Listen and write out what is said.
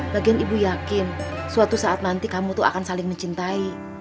bagian ibu yakin suatu saat nanti kamu tuh akan saling mencintai